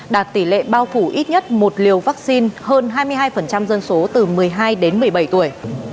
đạt tỷ lệ bao phủ ít nhất một liều vaccine hơn hai mươi hai dân số từ một mươi hai đến một mươi bảy tuổi